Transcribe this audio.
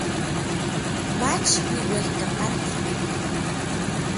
Mach niuejkapantik.